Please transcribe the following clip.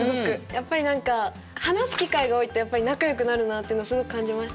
やっぱり何か話す機会が多いとやっぱり仲よくなるなっていうのをすごく感じましたし。